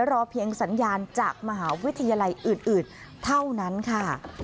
รอเพียงสัญญาณจากมหาวิทยาลัยอื่นเท่านั้นค่ะ